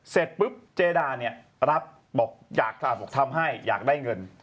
เสร็จปุ๊บเจ๊ดาบอกทำให้อยากได้เงิน